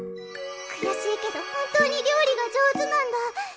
悔しいけど本当に料理が上手なんだ。